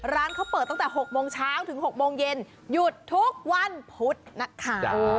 ร้านเขาเปิดตั้งแต่๖โมงเช้าถึง๖โมงเย็นหยุดทุกวันพุธนะคะ